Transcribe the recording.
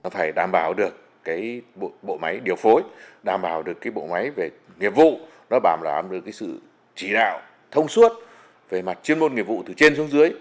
phải đảm bảo được bộ máy điều phối đảm bảo được bộ máy về nghiệp vụ nó đảm bảo được sự chỉ đạo thông suốt về mặt chuyên môn nghiệp vụ từ trên xuống dưới